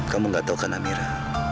kamu nggak tahu kan amira